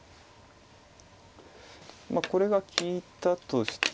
これが利いたとして。